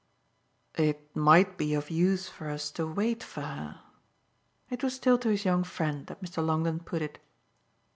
"It might be of use for us to wait for her?" it was still to his young friend that Mr. Longdon put it.